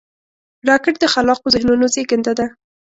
راکټ د خلاقو ذهنونو زیږنده ده